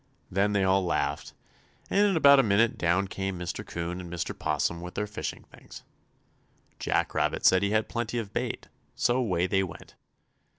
Then they all laughed, and in about a minute down came Mr. 'Coon and Mr. 'Possum with their fishing things. Jack Rabbit said he had plenty of bait, so away they went.